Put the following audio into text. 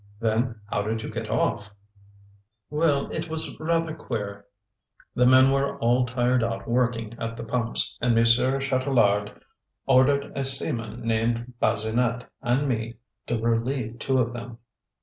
"Then how did you get off?" "Well, it was rather queer. The men were all tired out working at the pumps, and Monsieur Chatelard ordered a seaman named Bazinet and me to relieve two of them.